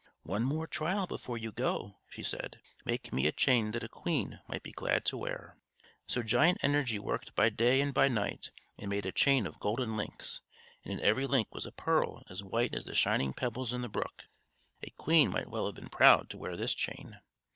"One more trial before you go," she said. "Make me a chain that a queen might be glad to wear." So Giant Energy worked by day and by night and made a chain of golden links; and in every link was a pearl as white as the shining pebbles in the brook. A queen might well have been proud to wear this chain.